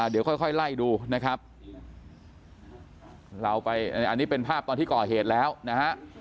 เดี๋ยวค่อยไล่ดูนะครับเราไปอันนี้เป็นภาพตอนที่ก่อเหตุแล้วนะฮะ